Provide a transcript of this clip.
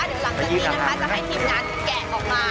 เดี๋ยวหลังจากนี้นะคะจะให้ทีมงานแกะออกมา